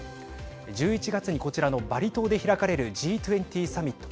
１１月に、こちらのバリ島で開かれるＧ２０サミット。